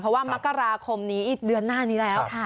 เพราะว่ามกราคมนี้เดือนหน้านี้แล้ว